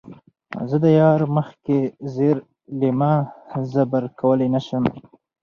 زۀ د يار مخکښې زېر لېمۀ زبَر کؤلے نۀ شم